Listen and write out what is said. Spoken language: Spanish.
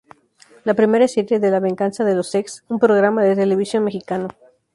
La primera serie de La Venganza de los Ex, un programa de televisión mexicano.